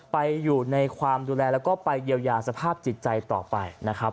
ไปอยู่ในความดูแลแล้วก็ไปเยียวยาสภาพจิตใจต่อไปนะครับ